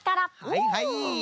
はいはい。